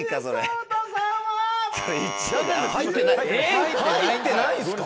入ってないんですか！